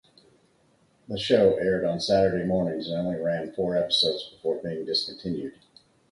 The show aired on Saturday mornings and only ran four episodes before being discontinued.